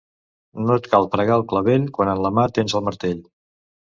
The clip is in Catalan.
No et cal pregar el clavell, quan en la mà tens el martell.